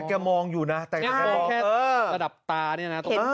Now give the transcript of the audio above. แกมองอยู่นะแต่แกมองแค่ระดับตาเนี่ยนะตรงนี้